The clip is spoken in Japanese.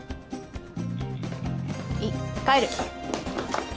いい帰る。